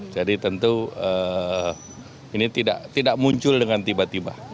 jadi tentu ini tidak muncul dengan tiba tiba